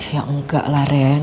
ya enggak lah ren